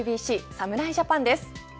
侍ジャパンです。